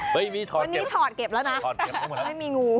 วันนี้ถอดเก็บแล้วนะ